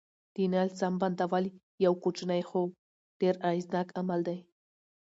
د نل سم بندول یو کوچنی خو ډېر اغېزناک عمل دی.